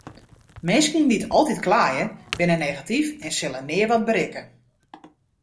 Minsken dy't altyd kleie binne negatyf en sille nea wat berikke.